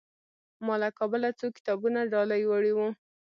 ما له کابله څو کتابونه ډالۍ وړي وو.